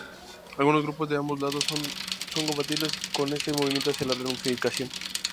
Algunos grupos de ambos lados no son compatibles con este movimiento hacia la reunificación.